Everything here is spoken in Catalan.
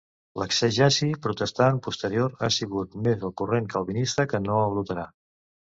L'exegesi protestant posterior ha seguit més el corrent calvinista que no el luterà.